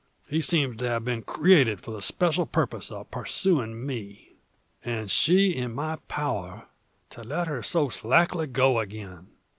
He seems to have been created for the special purpose of pursuing me? "And she in my power, to let her so slackly go again!